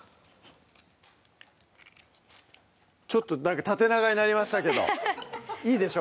ちょっと縦長になりましたけどいいでしょ？